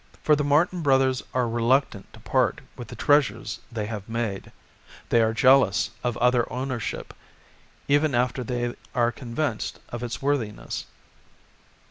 For the Martin Brothers are reluctant to part with the treasures they have made ; they are jealous of other ownership even after they are convinced of its worthiness.